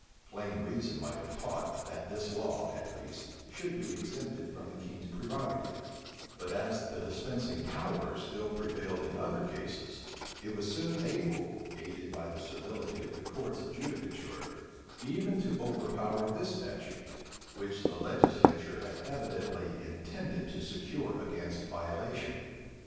Plain reason might have taught, that this law, at least, should be exempted from the king's prerogative: but as the dispensing power still prevailed in other cases, it was soon able, aided by the servility of the courts of judicature, even to overpower this statute, which the legislature had evidently intended to secure against violation.